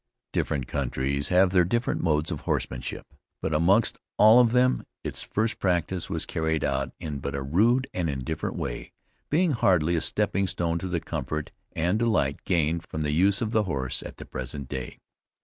Different countries have their different modes of horsemanship, but amongst all of them its first practice was carried on in but a rude and indifferent way, being hardly a stepping stone to the comfort and delight gained from the use of the horse at the present day.